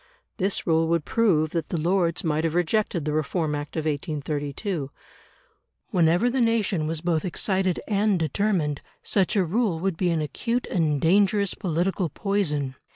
This rule would prove that the Lords might have rejected the Reform Act of 1832. Whenever the nation was both excited and determined, such a rule would be an acute and dangerous political poison.